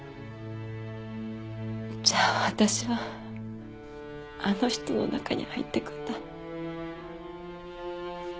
じゃあ私はあの人の中に入っていくんだ。